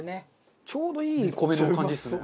ちょうどいい米の感じですね。